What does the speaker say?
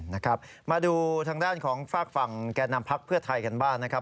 นะครับมาดูทางด้านของฝากฝั่งแก่นำพักเพื่อไทยกันบ้างนะครับ